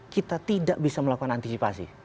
kita tidak bisa melakukan antisipasi